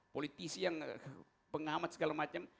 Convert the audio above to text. politisi yang pengamat segala macam